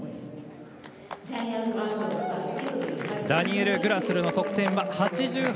ダニエル・グラスルの得点は８８．１０。